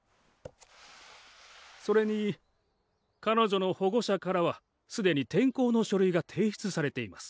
それに彼女の保護者からはすでに転校の書類が提出されています。